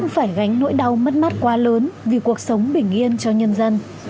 phải gánh nỗi đau mất mắt quá lớn vì cuộc sống bình yên cho nhân dân